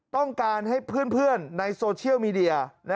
ต้องการให้เพื่อนในโซเชียลมีเดีย